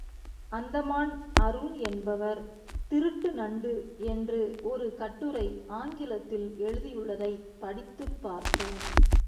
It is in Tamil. அந்தமான் அருண் என்பவர் திருட்டு நண்டு என்று ஒரு கட்டுரை ஆங்கிலத்தில் எழுதியுள்ளதைப் படித்துப்பார்த்தோம்.